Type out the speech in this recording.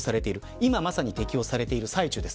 今まさに適用されてる最中です。